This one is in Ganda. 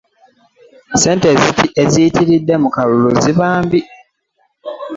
Ssente eziyitiridde mu kalulu ziba mbi.